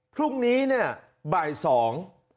พรุ่งนี้เนี่ยบ่ายสอง